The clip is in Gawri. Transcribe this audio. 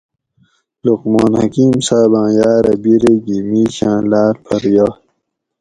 لقمان حکیم صاباۤں یاۤرہ بِیرے گھی مِیشاۤں لاۤر پھر یائے